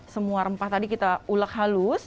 semua rempah tadi kita ulek halus